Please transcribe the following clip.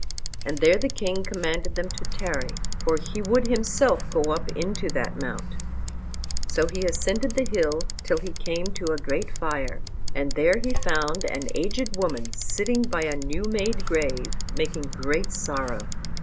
And there the king commanded them to tarry, for he would himself go up into that mount. So he ascended the hill till he came to a great fire, and there he found an aged woman sitting by a new made grave, making great sorrow.